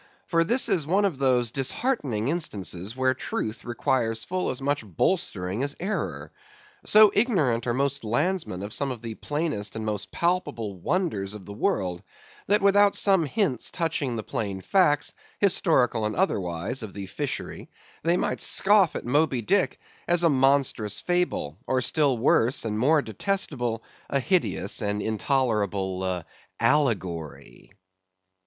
For this is one of those disheartening instances where truth requires full as much bolstering as error. So ignorant are most landsmen of some of the plainest and most palpable wonders of the world, that without some hints touching the plain facts, historical and otherwise, of the fishery, they might scout at Moby Dick as a monstrous fable, or still worse and more detestable, a hideous and intolerable allegory.